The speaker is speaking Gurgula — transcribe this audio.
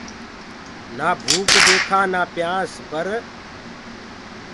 نآ ڀوڪَ ديکانٚ نآ پيآنٚس پر